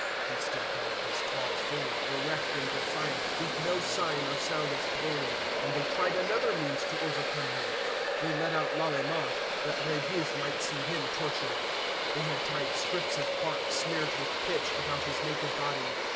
He still held his tall form erect and defiant, with no sign or sound of pain; and they tried another means to overcome him. They led out Lalemant, that Brébeuf might see him tortured. They had tied strips of bark, smeared with pitch, about his naked body.